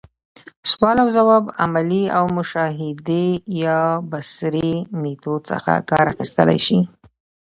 سوال اوځواب، عملي او مشاهدي يا بصري ميتود څخه کار اخستلاي سي.